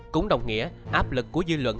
cũng đồng nghĩa áp lực của dư luận